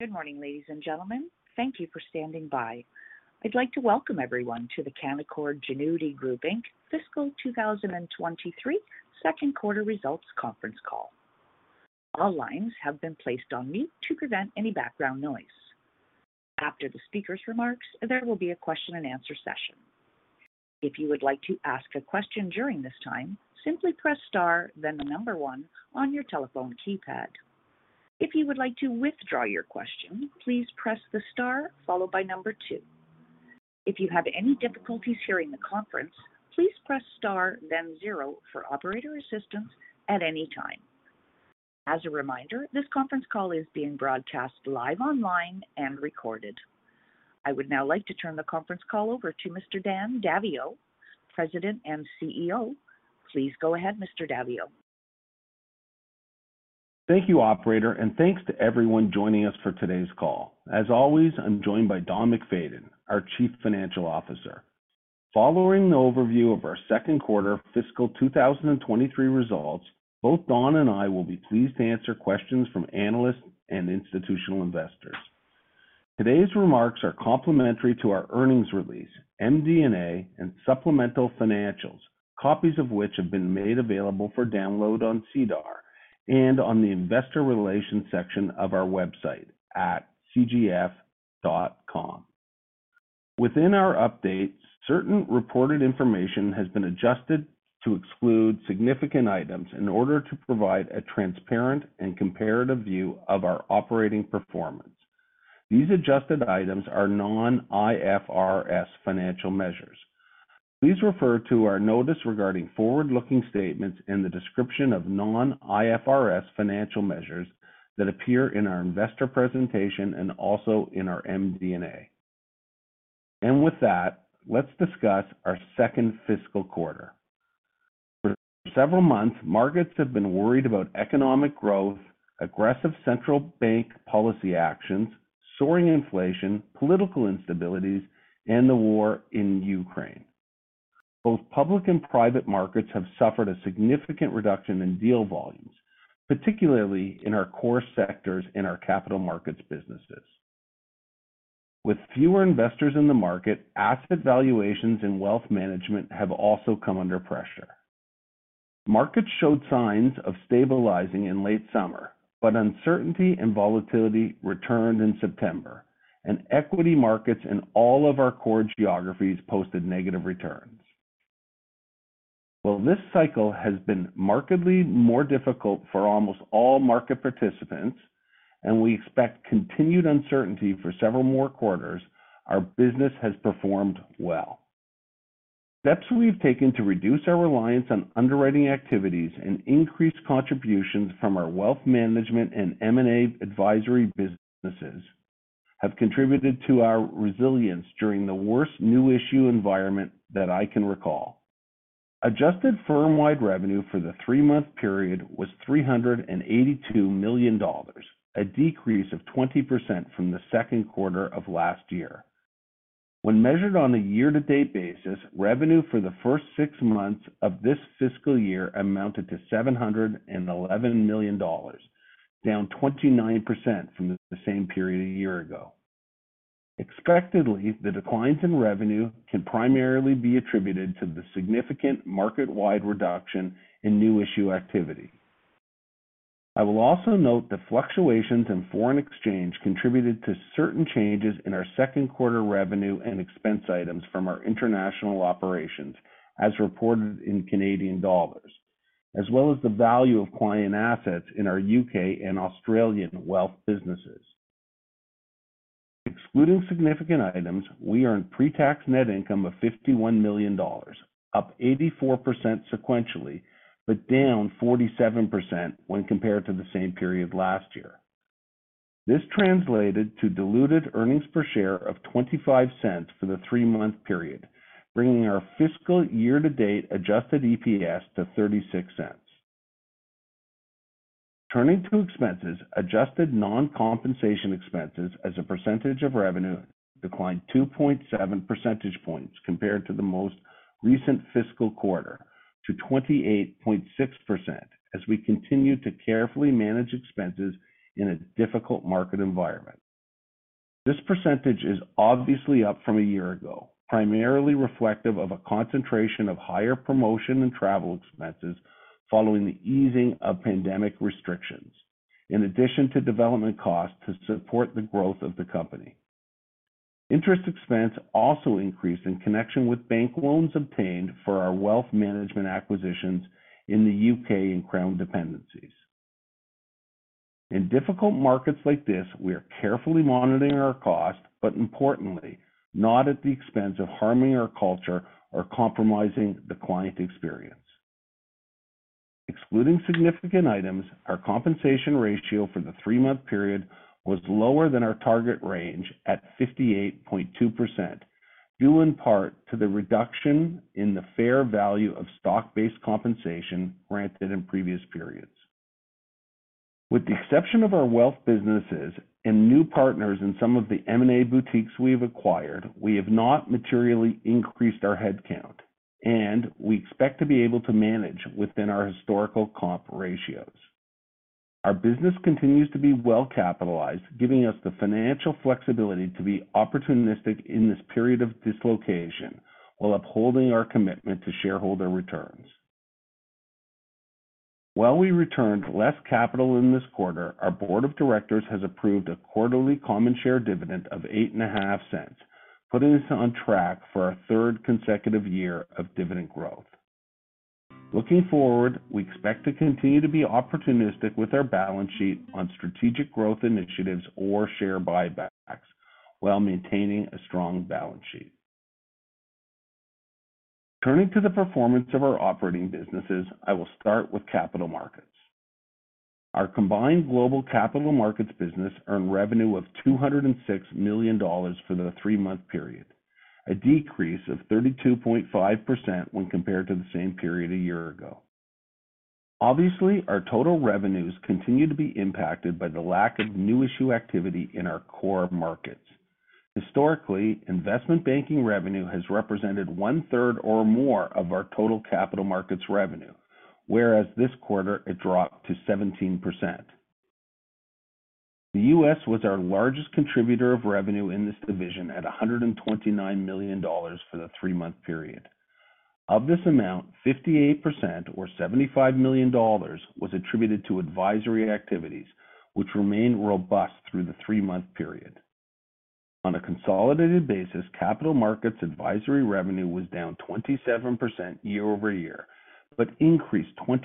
Good morning, ladies and gentlemen. Thank you for standing by. I'd like to welcome everyone to the Canaccord Genuity Group Inc. Fiscal 2023 Q2 results conference call. All lines have been placed on mute to prevent any background noise. After the speaker's remarks, there will be a question and answer session. If you would like to ask a question during this time, simply press star, then the number one on your telephone keypad. If you would like to withdraw your question, please press the star followed by number two. If you have any difficulties hearing the conference, please press star then zero for operator assistance at any time. As a reminder, this conference call is being broadcast live online and recorded. I would now like to turn the conference call over to Mr. Dan Daviau, President and CEO. Please go ahead, Mr. Daviau. Thank you, operator, and thanks to everyone joining us for today's call. As always, I'm joined by Don MacFayden, our Chief Financial Officer. Following the overview of our Q2 fiscal 2023 results, both Don and I will be pleased to answer questions from analysts and institutional investors. Today's remarks are complementary to our earnings release, MD&A, and supplemental financials, copies of which have been made available for download on SEDAR and on the investor relations section of our website at cgf.com. Within our update, certain reported information has been adjusted to exclude significant items in order to provide a transparent and comparative view of our operating performance. These adjusted items are non-IFRS financial measures. Please refer to our notice regarding forward-looking statements in the description of non-IFRS financial measures that appear in our investor presentation and also in our MD&A. With that, let's discuss our second fiscal quarter. For several months, markets have been worried about economic growth, aggressive central bank policy actions, soaring inflation, political instabilities, and the war in Ukraine. Both public and private markets have suffered a significant reduction in deal volumes, particularly in our core sectors in our capital markets businesses. With fewer investors in the market, asset valuations and wealth management have also come under pressure. Markets showed signs of stabilizing in late summer, but uncertainty and volatility returned in September, and equity markets in all of our core geographies posted negative returns. While this cycle has been markedly more difficult for almost all market participants, and we expect continued uncertainty for several more quarters, our business has performed well. Steps we've taken to reduce our reliance on underwriting activities and increase contributions from our wealth management and M&A advisory businesses have contributed to our resilience during the worst new issue environment that I can recall. Adjusted firm-wide revenue for the three-month period was 382 million dollars, a decrease of 20% from the Q2 of last year. When measured on a year-to-date basis, revenue for the first six months of this fiscal year amounted to 711 million dollars, down 29% from the same period a year ago. Expectedly, the declines in revenue can primarily be attributed to the significant market-wide reduction in new issue activity. I will also note that fluctuations in foreign exchange contributed to certain changes in our Q2 revenue and expense items from our international operations as reported in Canadian dollars, as well as the value of client assets in our UK and Australian wealth businesses. Excluding significant items, we earned pre-tax net income of 51 million dollars, up 84% sequentially, but down 47% when compared to the same period last year. This translated to diluted earnings per share of 0.25 for the three-month period, bringing our fiscal year-to-date adjusted EPS to 0.36. Turning to expenses, adjusted non-compensation expenses as a percentage of revenue declined 2.7 percentage points compared to the most recent fiscal quarter to 28.6% as we continue to carefully manage expenses in a difficult market environment. This percentage is obviously up from a year ago, primarily reflective of a concentration of higher promotion and travel expenses following the easing of pandemic restrictions, in addition to development costs to support the growth of the company. Interest expense also increased in connection with bank loans obtained for our wealth management acquisitions in the UK and Crown dependencies. In difficult markets like this, we are carefully monitoring our costs, but importantly, not at the expense of harming our culture or compromising the client experience. Excluding significant items, our compensation ratio for the three-month period was lower than our target range at 58.2%, due in part to the reduction in the fair value of stock-based compensation granted in previous periods. With the exception of our wealth businesses and new partners in some of the M&A boutiques we have acquired, we have not materially increased our headcount. We expect to be able to manage within our historical comp ratios. Our business continues to be well capitalized, giving us the financial flexibility to be opportunistic in this period of dislocation while upholding our commitment to shareholder returns. While we returned less capital in this quarter, our board of directors has approved a quarterly common share dividend of 0.085, putting us on track for our third consecutive year of dividend growth. Looking forward, we expect to continue to be opportunistic with our balance sheet on strategic growth initiatives or share buybacks while maintaining a strong balance sheet. Turning to the performance of our operating businesses, I will start with Capital Markets. Our combined global capital markets business earned revenue of 206 million dollars for the three-month period, a decrease of 32.5% when compared to the same period a year ago. Obviously, our total revenues continue to be impacted by the lack of new issue activity in our core markets. Historically, investment banking revenue has represented 1/3 or more of our total capital markets revenue, whereas this quarter it dropped to 17%. The US was our largest contributor of revenue in this division at $129 million for the three-month period. Of this amount, 58% or $75 million was attributed to advisory activities, which remained robust through the three-month period. On a consolidated basis, capital markets advisory revenue was down 27% quarter-over-quarter, but increased 22%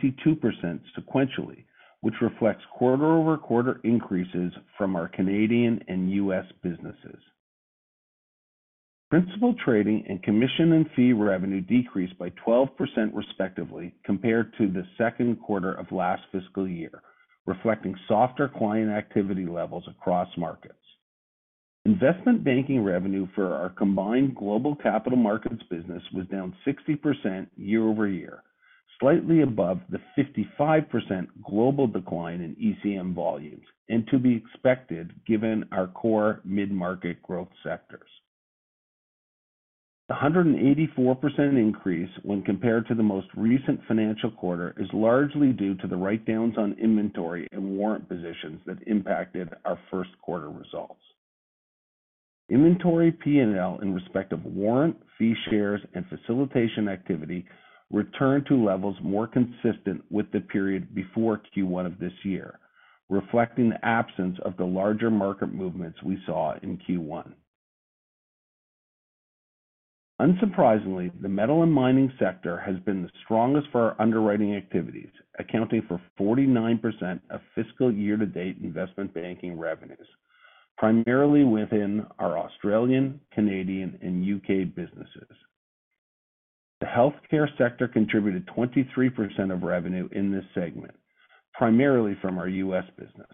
sequentially, which reflects quarter-over-quarter increases from our Canadian and U.S. businesses. Principal trading and commission and fee revenue decreased by 12% respectively compared to the Q2 of last fiscal year, reflecting softer client activity levels across markets. Investment banking revenue for our combined global capital markets business was down 60% quarter-over-quarter, slightly above the 55% global decline in ECM volumes, and to be expected given our core mid-market growth sectors. The 184% increase when compared to the most recent financial quarter is largely due to the write-downs on inventory and warrant positions that impacted our Q1 results. Inventory P&L in respect of warrant, fee shares, and facilitation activity returned to levels more consistent with the period before Q1 of this year, reflecting the absence of the larger market movements we saw in Q1. Unsurprisingly, the metal and mining sector has been the strongest for our underwriting activities, accounting for 49% of fiscal year to date investment banking revenues, primarily within our Australian, Canadian, and U.K. businesses. The healthcare sector contributed 23% of revenue in this segment, primarily from our U.S. business.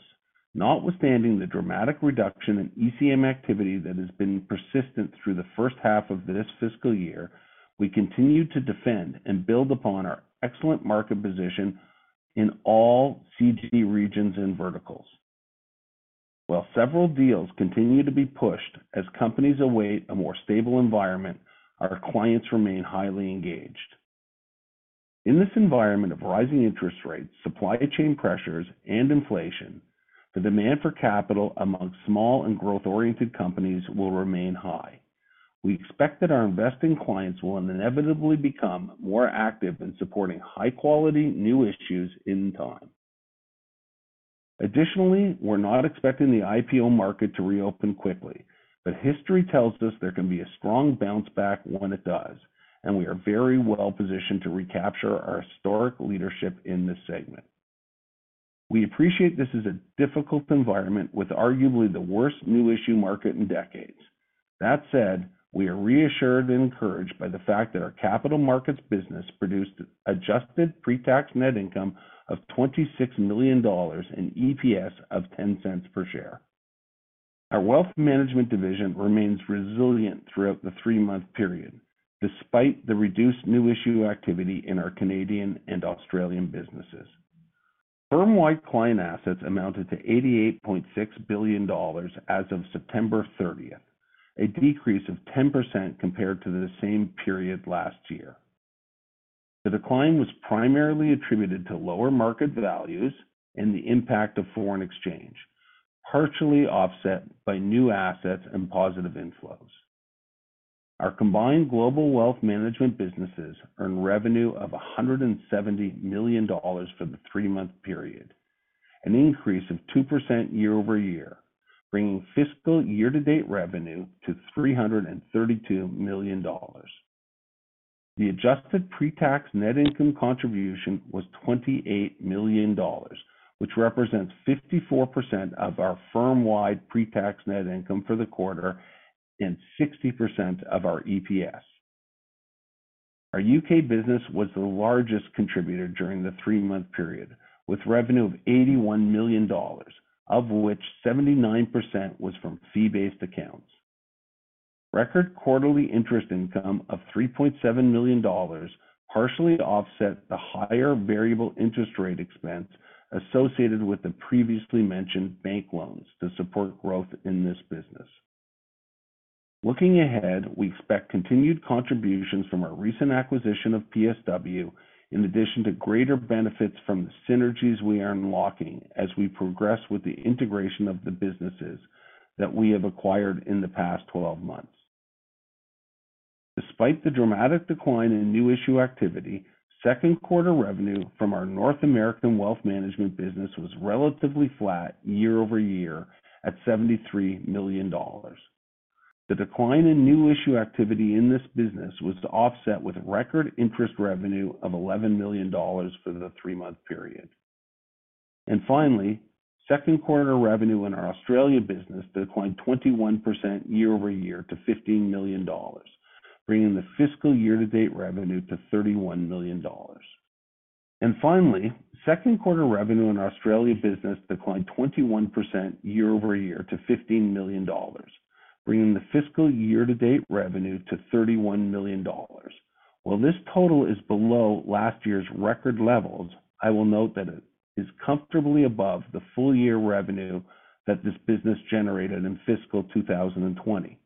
Notwithstanding the dramatic reduction in ECM activity that has been persistent through the H1 of this fiscal year, we continue to defend and build upon our excellent market position in all CG regions and verticals. While several deals continue to be pushed as companies await a more stable environment, our clients remain highly engaged. In this environment of rising interest rates, supply chain pressures, and inflation, the demand for capital among small and growth-oriented companies will remain high. We expect that our investing clients will inevitably become more active in supporting high quality new issues in time. Additionally, we're not expecting the IPO market to reopen quickly, but history tells us there can be a strong bounce back when it does, and we are very well positioned to recapture our historic leadership in this segment. We appreciate this is a difficult environment with arguably the worst new issue market in decades. That said, we are reassured and encouraged by the fact that our capital markets business produced adjusted pre-tax net income of 26 million dollars and EPS of 0.10 per share. Our wealth management division remains resilient throughout the three-month period, despite the reduced new issue activity in our Canadian and Australian businesses. Firm-wide client assets amounted to 88.6 billion dollars as of September thirtieth, a decrease of 10% compared to the same period last year. The decline was primarily attributed to lower market values and the impact of foreign exchange, partially offset by new assets and positive inflows. Our combined global wealth management businesses earned revenue of 170 million dollars for the three-month period, an increase of 2% quarter-over-quarter, bringing fiscal year to date revenue to 332 million dollars. The adjusted pre-tax net income contribution was 28 million dollars, which represents 54% of our firm-wide pre-tax net income for the quarter and 60% of our EPS. Our U.K. business was the largest contributor during the three-month period, with revenue of 81 million dollars, of which 79% was from fee-based accounts. Record quarterly interest income of 3.7 million dollars partially offset the higher variable interest rate expense associated with the previously mentioned bank loans to support growth in this business. Looking ahead, we expect continued contributions from our recent acquisition of PSW, in addition to greater benefits from the synergies we are unlocking as we progress with the integration of the businesses that we have acquired in the past twelve months. Despite the dramatic decline in new issue activity, Q2 revenue from our North American wealth management business was relatively flat quarter-over-quarter at 73 million dollars. The decline in new issue activity in this business was offset with record interest revenue of 11 million dollars for the three-month period. Finally, Q2 revenue in our Australia business declined 21% quarter-over-quarter to 15 million dollars, bringing the fiscal year to date revenue to 31 million dollars. While this total is below last year's record levels, I will note that it is comfortably above the full year revenue that this business generated in fiscal 2020.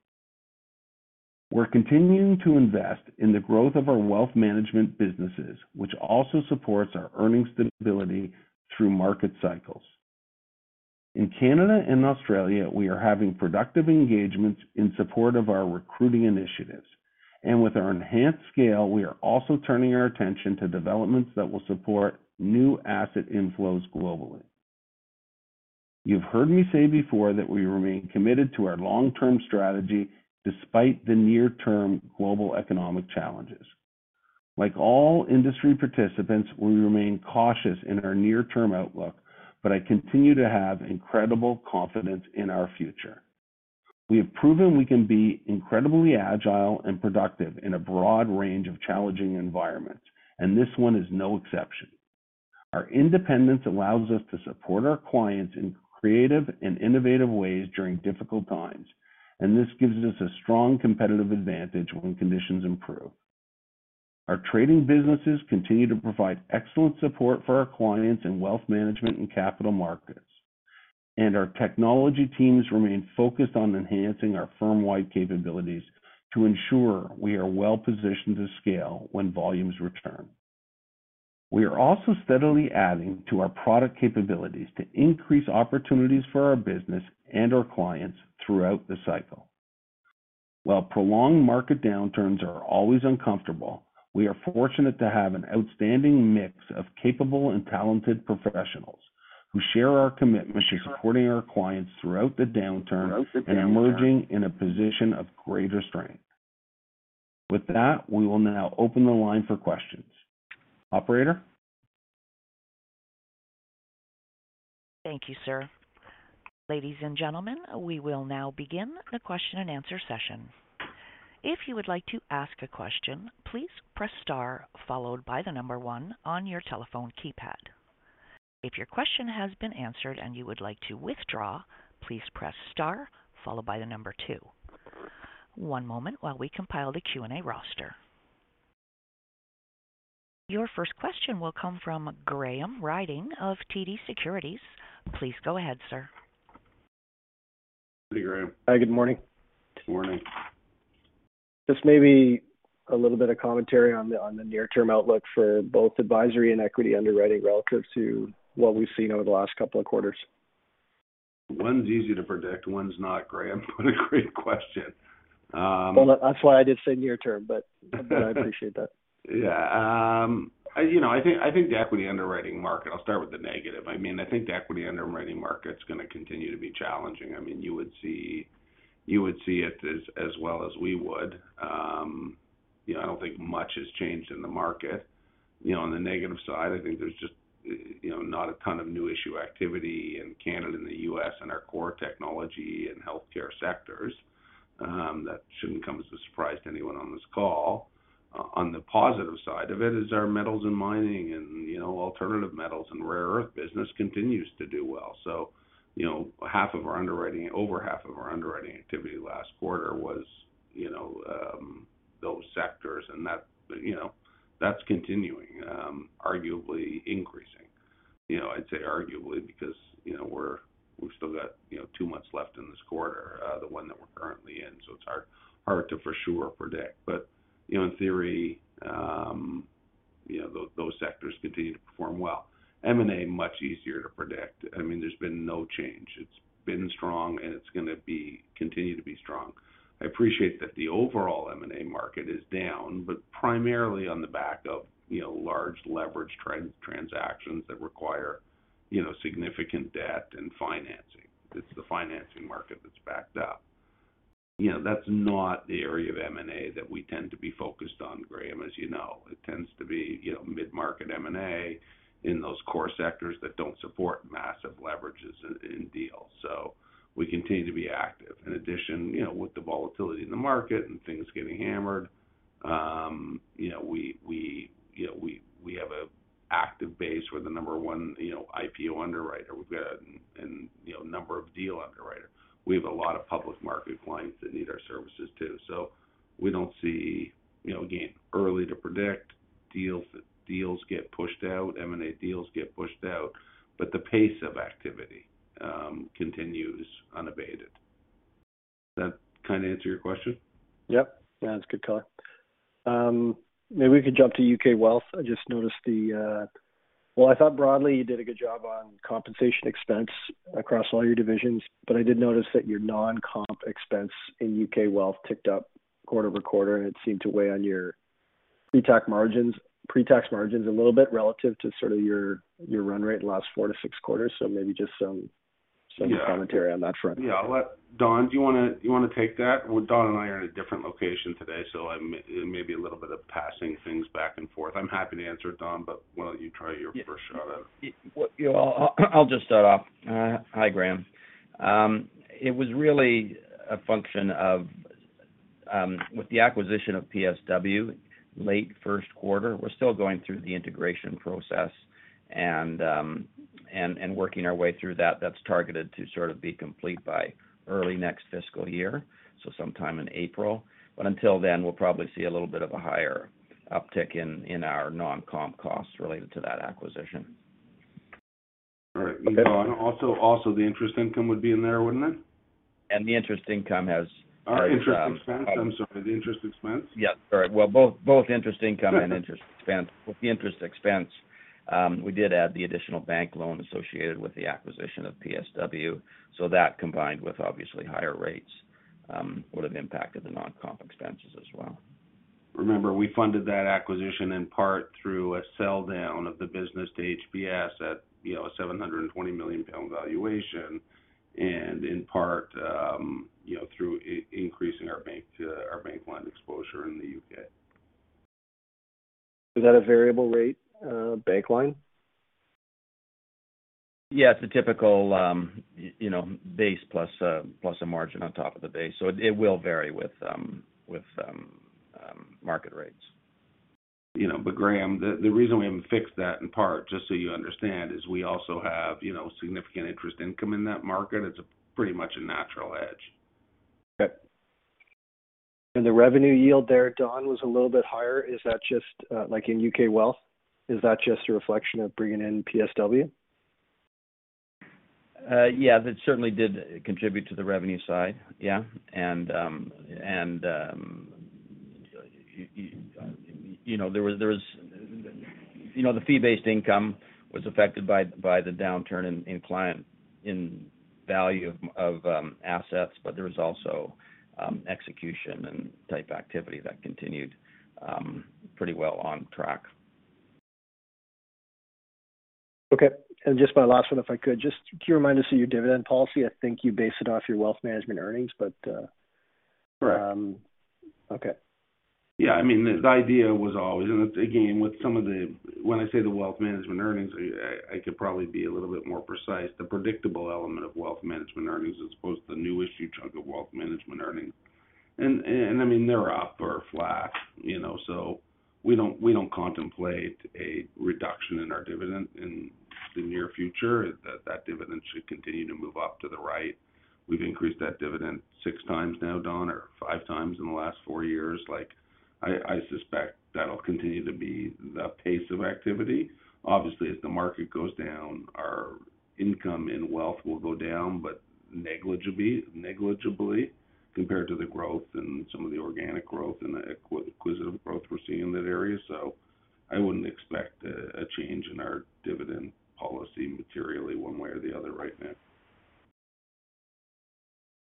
We're continuing to invest in the growth of our wealth management businesses, which also supports our earnings stability through market cycles. In Canada and Australia, we are having productive engagements in support of our recruiting initiatives. With our enhanced scale, we are also turning our attention to developments that will support new asset inflows globally. You've heard me say before that we remain committed to our long-term strategy despite the near-term global economic challenges. Like all industry participants, we remain cautious in our near-term outlook, but I continue to have incredible confidence in our future. We have proven we can be incredibly agile and productive in a broad range of challenging environments, and this one is no exception. Our independence allows us to support our clients in creative and innovative ways during difficult times, and this gives us a strong competitive advantage when conditions improve. Our trading businesses continue to provide excellent support for our clients in wealth management and capital markets. Our technology teams remain focused on enhancing our firm-wide capabilities to ensure we are well positioned to scale when volumes return. We are also steadily adding to our product capabilities to increase opportunities for our business and our clients throughout the cycle. While prolonged market downturns are always uncomfortable, we are fortunate to have an outstanding mix of capable and talented professionals who share our commitment to supporting our clients throughout the downturn and emerging in a position of greater strength. With that, we will now open the line for questions. Operator? Thank you, sir. Ladies and gentlemen, we will now begin the question-and-answer session. If you would like to ask a question, please press star followed by the number one on your telephone keypad. If your question has been answered and you would like to withdraw, please press star followed by the number two. One moment while we compile the Q&A roster. Your first question will come from Graham Ryding of TD Securities. Please go ahead, sir. Good morning, Graham. Hi, good morning. Good morning. Just maybe a little bit of commentary on the near-term outlook for both advisory and equity underwriting relative to what we've seen over the last couple of quarters. One's easy to predict, one's not, Graham. What a great question. Well, that's why I just said near term, but I appreciate that. Yeah. You know, I'll start with the negative. I mean, I think the equity underwriting market is going to continue to be challenging. I mean, you would see it as well as we would. You know, I don't think much has changed in the market. You know, on the negative side, I think there's just not a ton of new issue activity in Canada and the U.S. in our core technology and healthcare sectors. That shouldn't come as a surprise to anyone on this call. On the positive side of it is our metals and mining and, you know, alternative metals and rare earth business continues to do well. You know, over half of our underwriting activity last quarter was, you know, those sectors. That, you know, that's continuing, arguably increasing. You know, I'd say arguably because, you know, we've still got, you know, two months left in this quarter, the one that we're currently in, so it's hard to for sure predict. You know, in theory, you know, those sectors continue to perform well. M&A, much easier to predict. I mean, there's been no change. It's been strong, and it's gonna continue to be strong. I appreciate that the overall M&A market is down, but primarily on the back of, you know, large leveraged transactions that require, you know, significant debt and financing. It's the financing market that's backed up. You know, that's not the area of M&A that we tend to be focused on, Graham, as you know. It tends to be, you know, mid-market M&A in those core sectors that don't support massive leverages in deals. We continue to be active. In addition, you know, with the volatility in the market and things getting hammered, you know, we have an active base. We're the number one, you know, IPO underwriter. And, you know, number one deal underwriter. We have a lot of public market clients that need our services too. We don't see. You know, again, too early to predict. Deals get pushed out, M&A deals get pushed out, but the pace of activity continues unabated. Does that kind of answer your question? Yep. Yeah, that's a good color. Maybe we could jump to UK Wealth. I just noticed the. Well, I thought broadly you did a good job on compensation expense across all your divisions, but I did notice that your non-comp expense in UK Wealth ticked up quarter-over-quarter, and it seemed to weigh on your pre-tax margins a little bit relative to sort of your run rate in the last four to six quarters. Maybe just some commentary on that front. Yeah. I'll let Don, do you wanna take that? Well, Don and I are in a different location today, so there may be a little bit of passing things back and forth. I'm happy to answer it, Don, but why don't you try your first shot at it. Yeah. Well, I'll just start off. Hi, Graham. It was really a function of, with the acquisition of PSW late Q1, we're still going through the integration process and working our way through that. That's targeted to sort of be complete by early next fiscal year, so sometime in April. Until then, we'll probably see a little bit of a higher uptick in our non-comp costs related to that acquisition. All right. Don also the interest income would be in there, wouldn't it? The interest income has. Interest expense. I'm sorry. The interest expense. Yeah. All right. Well, both interest income and interest expense. With the interest expense, we did add the additional bank loan associated with the acquisition of PSW. That combined with obviously higher rates would have impacted the non-comp expenses as well. Remember, we funded that acquisition in part through a sell down of the business to HPS at, you know, a 720 million pound valuation. In part, you know, through increasing our bank line exposure in the UK. Is that a variable rate, bank line? Yeah, it's a typical, you know, base plus a margin on top of the base. It will vary with market rates. You know, Graham, the reason we even fixed that in part, just so you understand, is we also have, you know, significant interest income in that market. It's pretty much a natural hedge. Okay. The revenue yield there, Don, was a little bit higher. Is that just, like in UK Wealth, a reflection of bringing in PSW? Yeah, that certainly did contribute to the revenue side. Yeah. You know, the fee-based income was affected by the downturn in value of client assets, but there was also execution and trading activity that continued pretty well on track. Okay. Just my last one, if I could. Just, can you remind us of your dividend policy? I think you base it off your wealth management earnings, but. Correct. Okay. Yeah. I mean, the idea was always, and again, when I say the wealth management earnings, I could probably be a little bit more precise. The predictable element of wealth management earnings as opposed to the new issue chunk of wealth management earnings. I mean, they're up or flat, you know. We don't contemplate a reduction in our dividend in the near future. That dividend should continue to move up to the right. We've increased that dividend six times now, Don, or five times in the last four years. Like, I suspect that'll continue to be the pace of activity. Obviously, as the market goes down, our income and wealth will go down, but negligibly compared to the growth and some of the organic growth and the acquisitive growth we're seeing in that area. I wouldn't expect a change in our dividend policy materially one way or the other right now.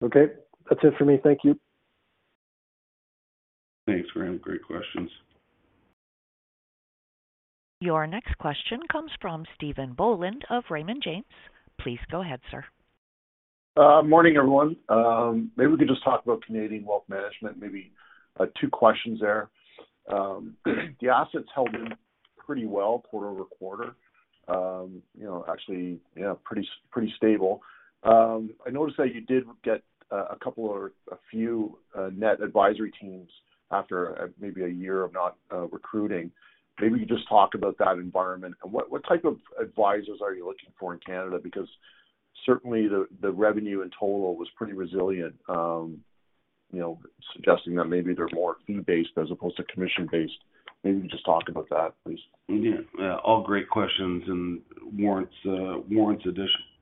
Okay. That's it for me. Thank you. Thanks, Graham. Great questions. Your next question comes from Stephen Boland of Raymond James. Please go ahead, sir. Morning, everyone. Maybe we could just talk about Canadian wealth management, maybe two questions there. The assets held up pretty well quarter-over-quarter. You know, actually, you know, pretty stable. I noticed that you did get a couple or a few net advisory teams after maybe a year of not recruiting. Maybe you just talk about that environment and what type of advisors are you looking for in Canada? Because certainly the revenue in total was pretty resilient, you know, suggesting that maybe they're more fee-based as opposed to commission-based. Maybe just talk about that, please. Yeah. All great questions and warrants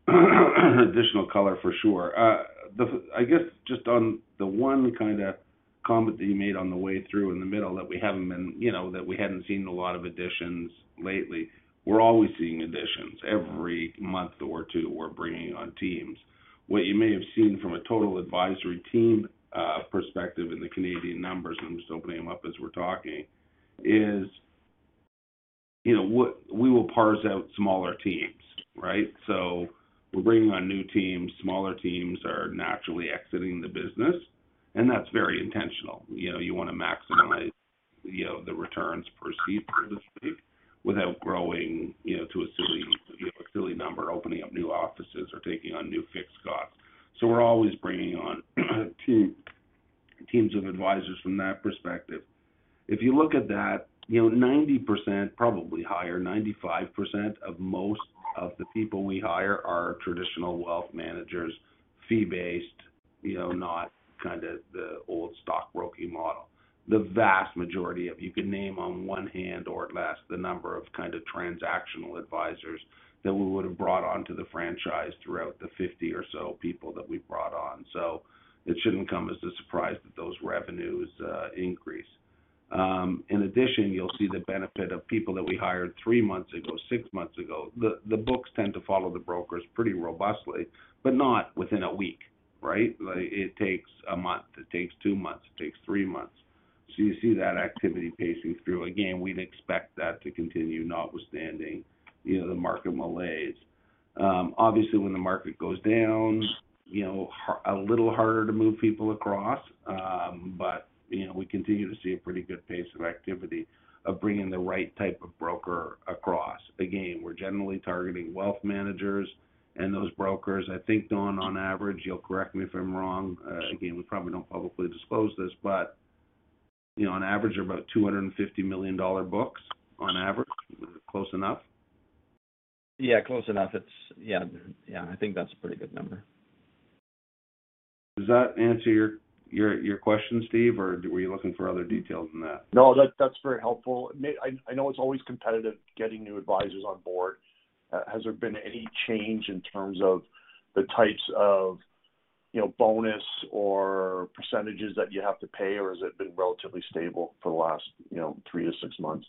additional color for sure. I guess just on the one kinda comment that you made on the way through in the middle that we haven't been, you know, that we hadn't seen a lot of additions lately. We're always seeing additions. Every month or two, we're bringing on teams. What you may have seen from a total advisory team perspective in the Canadian numbers, I'm just opening them up as we're talking, is, you know, we will phase out smaller teams, right? So we're bringing on new teams. Smaller teams are naturally exiting the business, and that's very intentional. You know, you wanna maximize, you know, the returns per seat, per se, without growing, you know, to a silly number, opening up new offices or taking on new fixed costs. We're always bringing on teams of advisors from that perspective. If you look at that, you know, 90%, probably higher, 95% of most of the people we hire are traditional wealth managers, fee-based. You know, not kind of the old stockbroking model. The vast majority of you could name on one hand or at least the number of kind of transactional advisors that we would have brought onto the franchise throughout the 50 or so people that we brought on. It shouldn't come as a surprise that those revenues increase. In addition, you'll see the benefit of people that we hired three months ago, six months ago. The books tend to follow the brokers pretty robustly, but not within a week, right? It takes a month, it takes two months, it takes three months. You see that activity pacing through. Again, we'd expect that to continue, notwithstanding, you know, the market malaise. Obviously, when the market goes down, you know, a little harder to move people across. You know, we continue to see a pretty good pace of activity of bringing the right type of broker across. Again, we're generally targeting wealth managers and those brokers. I think, Don, on average, you'll correct me if I'm wrong. Again, we probably don't publicly disclose this, but, you know, on average, they're about CAD $250 million books on average. Close enough? Yeah, close enough. Yeah, I think that's a pretty good number. Does that answer your question, Steve? Or were you looking for other details than that? No, that's very helpful. I know it's always competitive getting new advisors on board. Has there been any change in terms of the types of, you know, bonus or percentages that you have to pay, or has it been relatively stable for the last, you know, three to six months?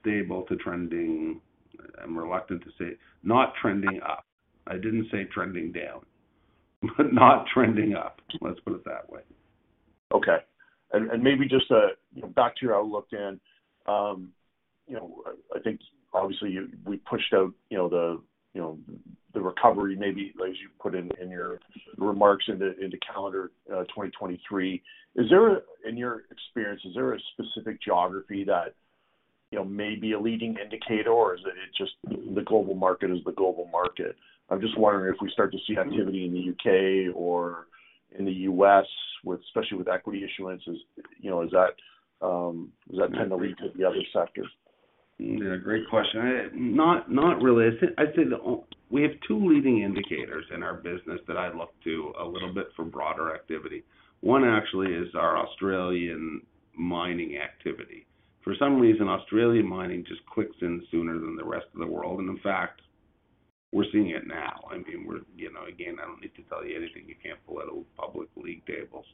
Stable to trending. I'm reluctant to say. Not trending up. I didn't say trending down, but not trending up. Let's put it that way. Maybe just you know, back to your outlook, Dan. You know, I think obviously we pushed out you know, the recovery maybe as you put in your remarks into calendar 2023. In your experience, is there a specific geography that you know, may be a leading indicator, or is it just the global market is the global market? I'm just wondering if we start to see activity in the UK or in the US, especially with equity issuance, you know, does that tend to lead to the other sectors? Yeah, great question. Not really. I'd say we have two leading indicators in our business that I look to a little bit for broader activity. One actually is our Australian mining activity. For some reason, Australian mining just clicks in sooner than the rest of the world. In fact, we're seeing it now. I mean, again, I don't need to tell you anything you can't pull out of public league tables.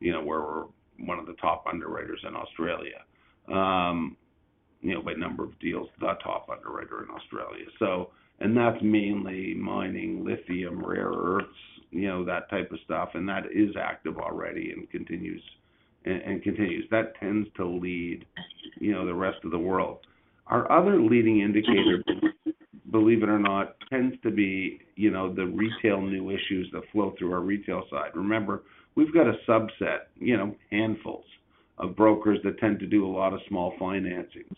You know, we're one of the top underwriters in Australia by number of deals, the top underwriter in Australia. That's mainly mining lithium, rare earths, you know, that type of stuff. That is active already and continues. That tends to lead the rest of the world. Our other leading indicator, believe it or not, tends to be, you know, the retail new issues that flow through our retail side. Remember, we've got a subset, you know, handfuls of brokers that tend to do a lot of small financings.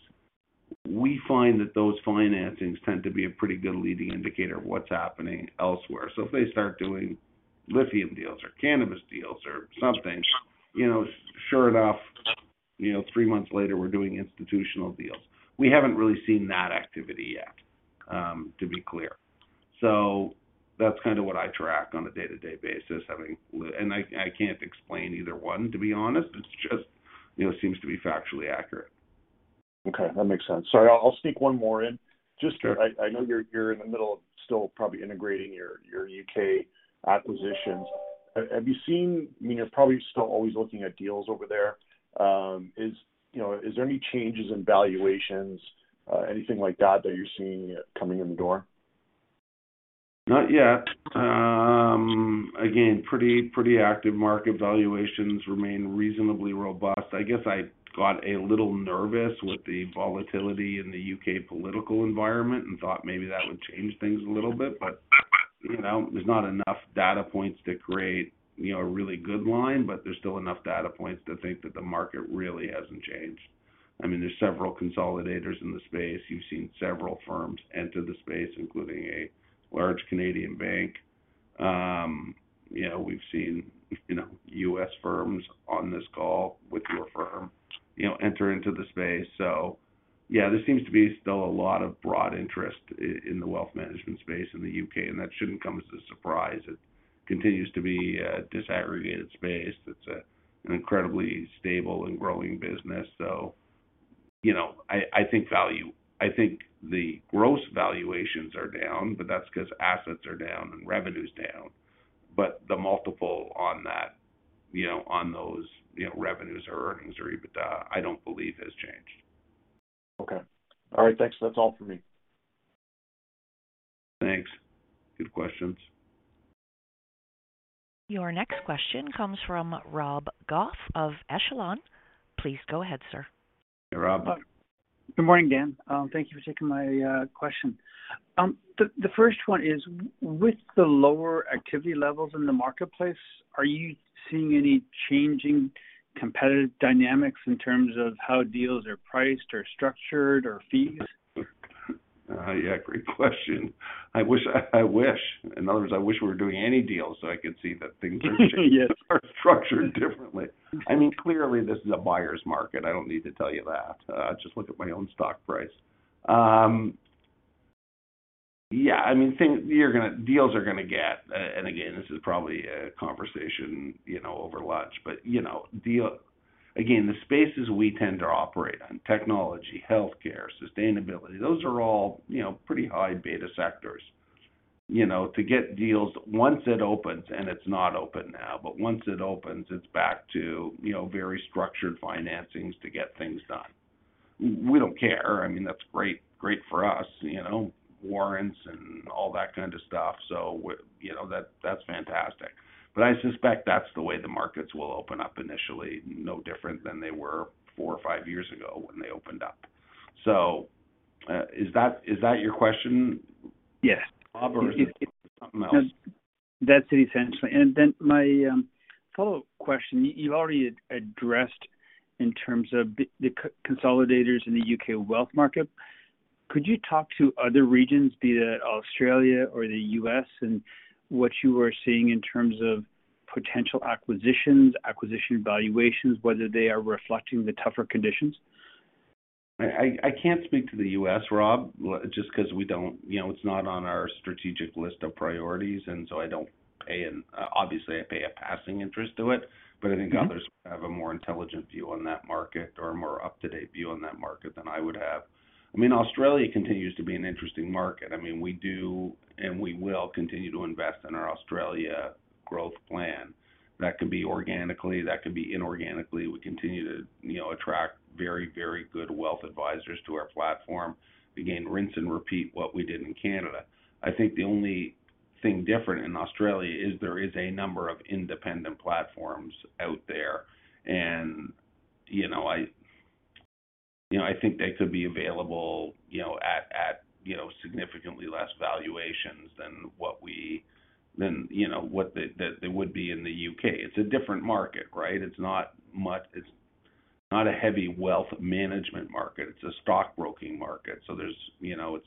We find that those financings tend to be a pretty good leading indicator of what's happening elsewhere. If they start doing lithium deals or cannabis deals or something, you know, sure enough, you know, three months later, we're doing institutional deals. We haven't really seen that activity yet, to be clear. That's kind of what I track on a day-to-day basis. I mean, I can't explain either one, to be honest. It's just, you know, seems to be factually accurate. Okay, that makes sense. Sorry, I'll sneak one more in. Just, I know you're in the middle of still probably integrating your UK acquisitions. I mean, you're probably still always looking at deals over there. You know, is there any changes in valuations, anything like that you're seeing coming in the door? Not yet. Again, pretty active market valuations remain reasonably robust. I guess I got a little nervous with the volatility in the U.K. political environment and thought maybe that would change things a little bit. You know, there's not enough data points to create, you know, a really good line, but there's still enough data points to think that the market really hasn't changed. I mean, there's several consolidators in the space. You've seen several firms enter the space, including a large Canadian bank. You know, we've seen, you know, U.S. firms on this call with your firm, you know, enter into the space. Yeah, there seems to be still a lot of broad interest in the wealth management space in the U.K., and that shouldn't come as a surprise. It continues to be a disaggregated space. It's an incredibly stable and growing business. You know, I think value. I think the gross valuations are down, but that's 'cause assets are down and revenue's down. The multiple on that, you know, on those, you know, revenues or earnings or EBITDA, I don't believe has changed. Okay. All right. Thanks. That's all for me. Thanks. Good questions. Your next question comes from Rob Goff of Echelon. Please go ahead, sir. Rob. Good morning, Dan. Thank you for taking my question. The first one is, with the lower activity levels in the marketplace, are you seeing any changing competitive dynamics in terms of how deals are priced or structured or fees? Yeah, great question. I wish. In other words, I wish we were doing any deals, so I could see that things are. Yes. Structured differently. I mean, clearly, this is a buyer's market. I don't need to tell you that. Just look at my own stock price. I mean, deals are gonna get. Again, this is probably a conversation, you know, over lunch. You know, again, the spaces we tend to operate in, technology, healthcare, sustainability, those are all, you know, pretty high beta sectors. You know, to get deals once it opens, and it's not open now, but once it opens, it's back to, you know, very structured financings to get things done. We don't care. I mean, that's great for us, you know, warrants and all that kind of stuff. You know, that's fantastic. I suspect that's the way the markets will open up initially. No different than they were four or five years ago when they opened up. Is that your question? Yes Rob, or is it something else? That's it, essentially. My follow-up question, you've already addressed in terms of the consolidators in the UK wealth market. Could you talk to other regions, be that Australia or the US, and what you are seeing in terms of potential acquisitions, acquisition valuations, whether they are reflecting the tougher conditions? I can't speak to the U.S., Rob, just 'cause we don't. You know, it's not on our strategic list of priorities, and so I don't pay, obviously I pay a passing interest to it, but I think others have a more intelligent view on that market or a more up-to-date view on that market than I would have. I mean, Australia continues to be an interesting market. I mean, we do, and we will continue to invest in our Australia growth plan. That could be organically, that could be inorganically. We continue to, you know, attract very, very good wealth advisors to our platform. Again, rinse and repeat what we did in Canada. I think the only thing different in Australia is there is a number of independent platforms out there. You know, I think they could be available, you know, at you know, significantly less valuations than, you know, that there would be in the UK. It's a different market, right? It's not a heavy wealth management market. It's a stockbroking market. There's, you know,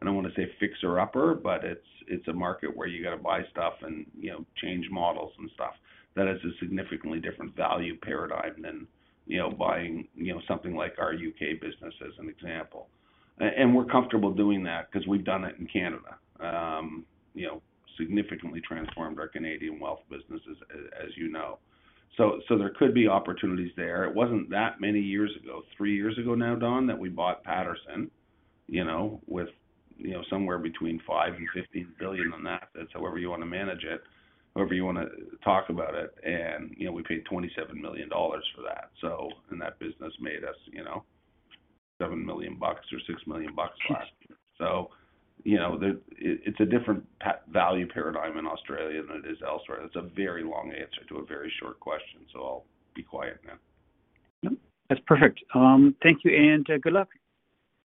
I don't want to say fixer upper, but it's a market where you got to buy stuff and, you know, change models and stuff. That is a significantly different value paradigm than, you know, buying, you know, something like our UK business, as an example. We're comfortable doing that because we've done it in Canada. You know, significantly transformed our Canadian wealth business, as you know. There could be opportunities there. It wasn't that many years ago, three years ago now, Don, that we bought Patersons, you know, with, you know, somewhere between 5 billion and 15 billion on that. That's however you want to manage it, however you want to talk about it. You know, we paid 27 million dollars for that. That business made us, you know, 7 million bucks or 6 million bucks last year. You know, it's a different value paradigm in Australia than it is elsewhere. That's a very long answer to a very short question, so I'll be quiet now. No, that's perfect. Thank you, and good luck.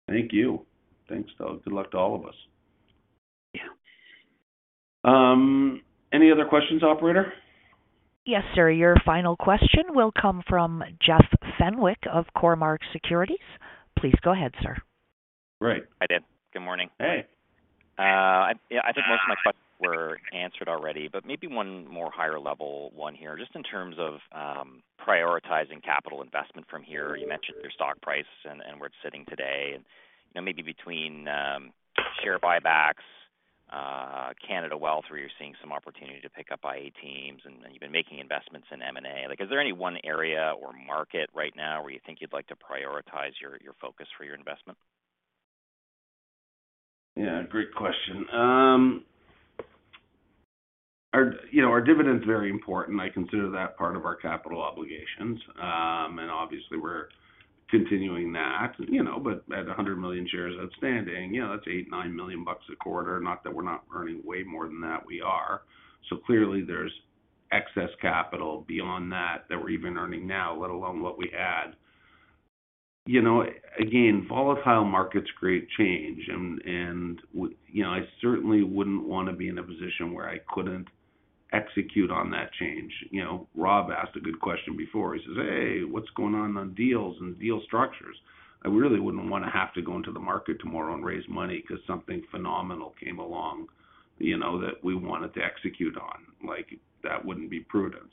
Thank you. Thanks, Don. Good luck to all of us. Yeah. Any other questions, operator? Yes, sir. Your final question will come from Jeff Fenwick of Cormark Securities. Please go ahead, sir. Great. Hi, Dan. Good morning. Hey. Yeah, I think most of my questions were answered already, but maybe one more higher level one here, just in terms of prioritizing capital investment from here. You mentioned your stock price and where it's sitting today. You know, maybe between share buybacks, Canada Wealth, where you're seeing some opportunity to pick up IA teams, and you've been making investments in M&A. Like, is there any one area or market right now where you think you'd like to prioritize your focus for your investment? Yeah, great question. Our, you know, our dividend's very important. I consider that part of our capital obligations. Obviously we're continuing that, you know. At 100 million shares outstanding, you know, that's 8-9 million bucks a quarter. Not that we're not earning way more than that, we are. Clearly there's excess capital beyond that that we're even earning now, let alone what we had. You know, again, volatile markets create change. You know, I certainly wouldn't want to be in a position where I couldn't execute on that change. You know, Rob asked a good question before. He says, "Hey, what's going on on deals and deal structures?" I really wouldn't wanna have to go into the market tomorrow and raise money 'cause something phenomenal came along, you know, that we wanted to execute on. Like, that wouldn't be prudent.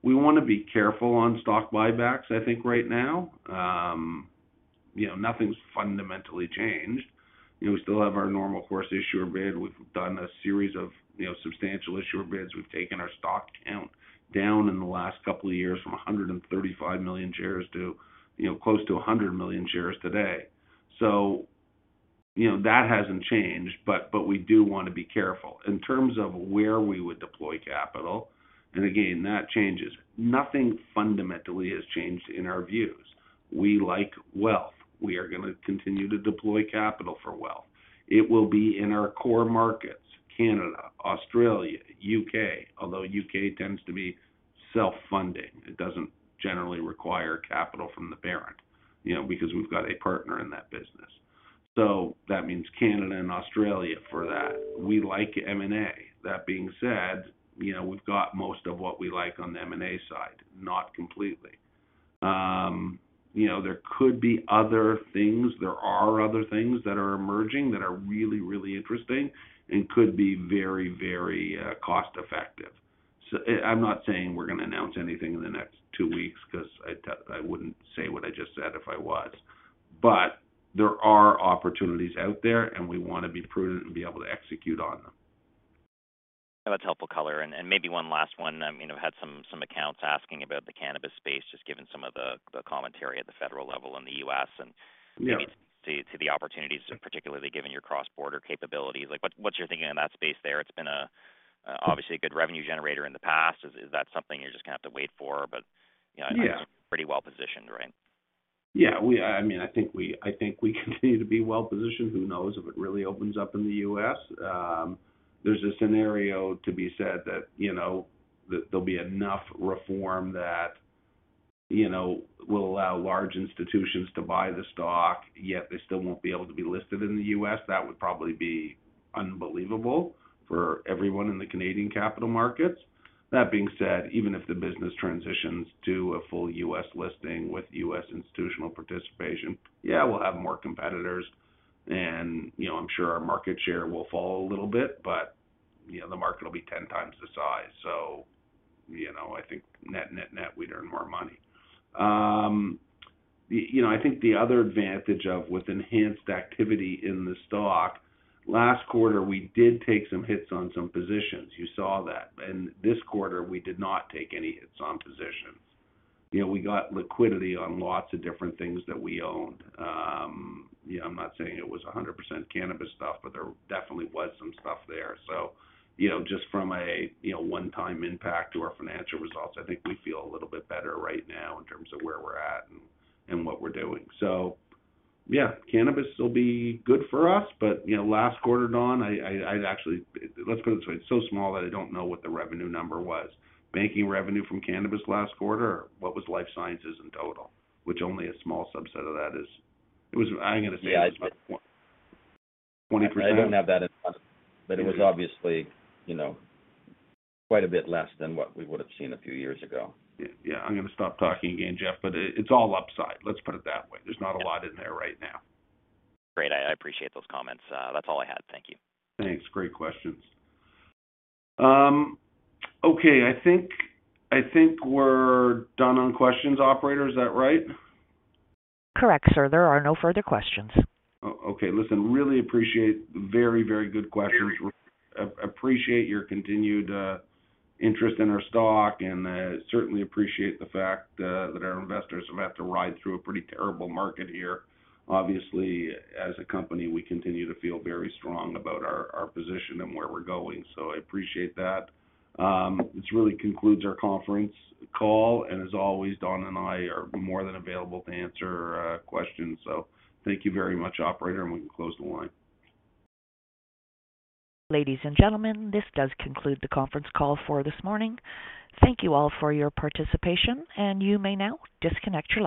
We wanna be careful on stock buybacks, I think, right now. You know, nothing's fundamentally changed. You know, we still have our normal course issuer bid. We've done a series of, you know, substantial issuer bid. We've taken our stock count down in the last couple of years from 135 million shares to, you know, close to 100 million shares today. You know, that hasn't changed, but we do want to be careful. In terms of where we would deploy capital, and again, that changes. Nothing fundamentally has changed in our views. We like wealth. We are gonna continue to deploy capital for wealth. It will be in our core markets, Canada, Australia, U.K. Although U.K. tends to be self-funding. It doesn't generally require capital from the parent, you know, because we've got a partner in that business. That means Canada and Australia for that. We like M&A. That being said, you know, we've got most of what we like on the M&A side, not completely. You know, there could be other things. There are other things that are emerging that are really, really interesting and could be very, very cost-effective. I'm not saying we're gonna announce anything in the next two weeks 'cause I wouldn't say what I just said if I was. There are opportunities out there, and we wanna be prudent and be able to execute on them. That's helpful color. Maybe one last one. You know, had some accounts asking about the cannabis space, just given some of the commentary at the federal level in the U.S., and Yeah Maybe to the opportunities, and particularly given your cross-border capabilities. Like, what's your thinking in that space there? It's been obviously a good revenue generator in the past. Is that something you're just gonna have to wait for? You know- Yeah I know you're pretty well positioned, right? Yeah. I mean, I think we continue to be well positioned. Who knows if it really opens up in the U.S. There's a scenario to be said that, you know, that there'll be enough reform that, you know, will allow large institutions to buy the stock, yet they still won't be able to be listed in the U.S. That would probably be unbelievable for everyone in the Canadian capital markets. That being said, even if the business transitions to a full U.S. listing with U.S. institutional participation, yeah, we'll have more competitors and, you know, I'm sure our market share will fall a little bit, but, you know, the market will be 10 times the size. You know, I think net we'd earn more money. You know, I think the other advantage of with enhanced activity in the stock, last quarter we did take some hits on some positions. You saw that. This quarter we did not take any hits on positions. You know, we got liquidity on lots of different things that we owned. You know, I'm not saying it was 100% cannabis stuff, but there definitely was some stuff there. You know, just from a, you know, one-time impact to our financial results, I think we feel a little bit better right now in terms of where we're at and what we're doing. Yeah, cannabis will be good for us. You know, last quarter, Don, let's put it this way, it's so small that I don't know what the revenue number was. Banking revenue from cannabis last quarter, or what was life sciences in total? Which only a small subset of that is. It was about- Yeah. 20%. I didn't have that in front of me. Okay. It was obviously, you know, quite a bit less than what we would've seen a few years ago. Yeah. Yeah. I'm gonna stop talking again, Jeff, but it's all upside, let's put it that way. There's not a lot in there right now. Great. I appreciate those comments. That's all I had. Thank you. Thanks. Great questions. Okay, I think we're done on questions, operator. Is that right? Correct, sir. There are no further questions. Okay. Listen, really appreciate very good questions. Appreciate your continued interest in our stock and certainly appreciate the fact that our investors have had to ride through a pretty terrible market here. Obviously, as a company, we continue to feel very strong about our position and where we're going. I appreciate that. This really concludes our conference call and as always, Don and I are more than available to answer questions. Thank you very much, operator, and we can close the line. Ladies and gentlemen, this does conclude the conference call for this morning. Thank you all for your participation, and you may now disconnect your lines.